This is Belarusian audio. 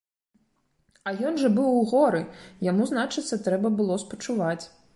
А ён жа быў у горы, яму, значыцца, трэба было спачуваць!